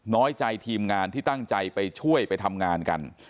น้อยใจทีมงานที่ตั้งใจไปช่วยไปทำงานกัน